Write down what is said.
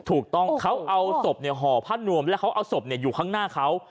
ถูกต้องเขาเอาศพห่อผ้านวมแล้วเขาเอาศพอยู่ข้างหน้าเขา